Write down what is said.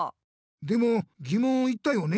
でもぎもんを言ったよね？